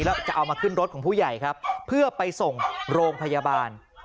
แล้วจะเอามาขึ้นรถของผู้ใหญ่ครับเพื่อไปส่งโรงพยาบาล